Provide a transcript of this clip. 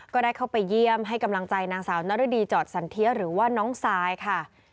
ก็ได้เข้าไปเยี่ยมให้กำลังใจนางสาวนรดีจอดสันเทียหรือว่าน้องซายค่ะ